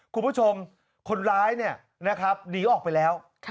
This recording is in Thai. คุณผู้ชมคนร้ายหนีออกไปแล้ว